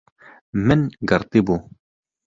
Min girtibû